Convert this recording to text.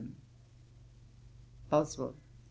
BOSWELL.